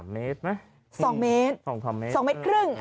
๓เมตรสองเมตร